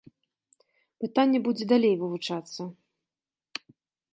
Пытанне будзе далей вывучацца.